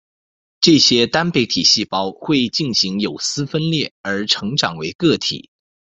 这些单倍体细胞会进行有丝分裂而成长为个体。